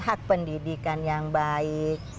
hak pendidikan yang baik